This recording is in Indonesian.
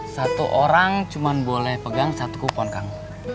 satu orang cuma boleh pegang satu kupon kang